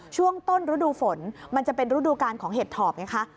ช่วงต้นฤดูฝนมันจะเป็นฤดูการของเห็ดถอบไงคะ